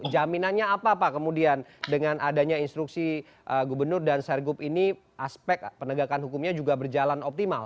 jaminannya apa pak kemudian dengan adanya instruksi gubernur dan sergup ini aspek penegakan hukumnya juga berjalan optimal